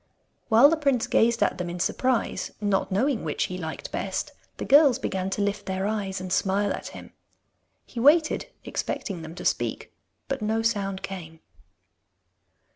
While the prince gazed at them in surprise, not knowing which he liked best, the girls began to lift their eyes and smile at him. He waited, expecting them to speak, but no sound came.